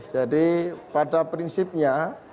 jadi pada prinsipnya